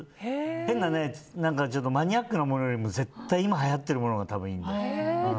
変なマニアックなものよりも絶対、今はやってるものがいいみたい。